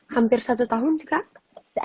hampir satu tahun sih kak